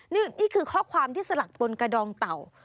นี่คือข้อความที่สลักบนกระดองเต่า